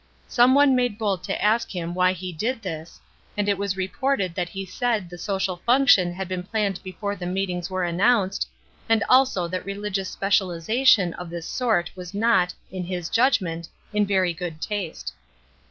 Some one made bold to ask him why he did this, and it was reported that he said the social function had been planned before the meetings were annoimced, and also that re ligious speciahzation of this sort was not, in his judgment, in very good taste.